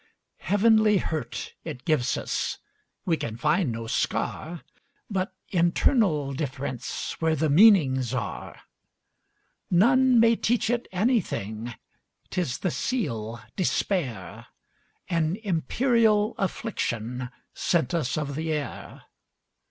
Heavenly hurt it gives us; We can find no scar, But internal differenceWhere the meanings are. None may teach it anything,'T is the seal, despair,—An imperial afflictionSent us of the air.